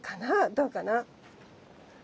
どうかな？